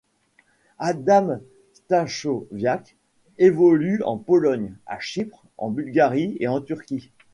Adam Stachowiak évolue en Pologne, à Chypre, en Bulgarie et en Turquie.